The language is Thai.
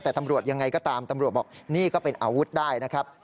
แต่ตำรวจยังไงก็ตามตำรวจบอกนี่ก็เป็นอาวุธได้นะครับ